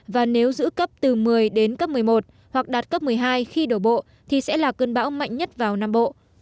và nếu giữ cấp từ một mươi đến cấp một mươi một hoặc đạt cấp một mươi hai khi đổ bộ thì sẽ là cơn bão mạnh nhất vào nam bộ